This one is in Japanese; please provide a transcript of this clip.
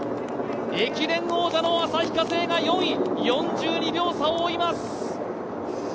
駅伝王者の旭化成が４位、４２秒差を追います。